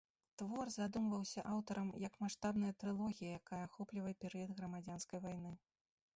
Твор задумваўся аўтарам, як маштабная трылогія, якая ахоплівае перыяд грамадзянскай вайны.